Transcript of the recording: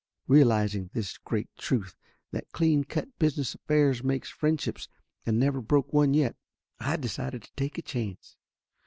Real izing this great truth, that clean cut business affairs makes friendships and never broke one yet, I decided to take a chance.